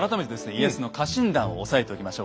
家康の家臣団を押さえておきましょう。